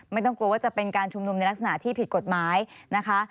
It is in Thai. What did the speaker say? ไม่ต้องกลัวว่าจะเป็นการชุมนุมในลักษณะที่ผิดกฎหมายนะคะ